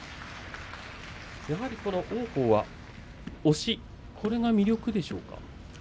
王鵬は押しこれが魅力でしょうか。